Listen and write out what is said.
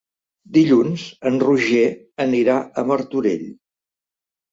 Dilluns en Roger anirà a Martorell.